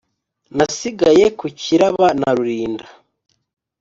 Nasigaye ku kiraba na Rulinda